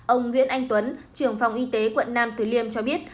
ông nguyễn anh tuấn trường phòng y tế quận năm từ liêm cho biết